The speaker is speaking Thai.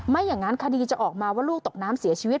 ไม่อย่างนั้นคดีจะออกมาว่าลูกตกน้ำเสียชีวิต